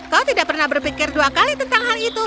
kau tidak pernah berpikir dua kali tentang hal itu